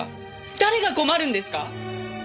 誰が困るんですか？